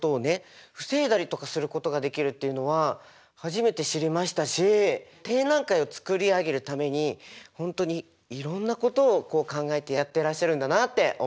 防いだりとかすることができるっていうのは初めて知りましたし展覧会を作り上げるために本当にいろんなことを考えてやってらっしゃるんだなって思いました。